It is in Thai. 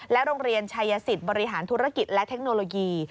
โรงเรียนชายสิทธิ์บริหารธุรกิจและเทคโนโลยี